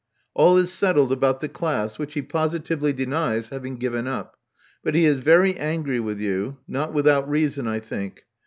All is settled about the class, which he positively denies having given up; but he is very angry with you — not without reason, I think.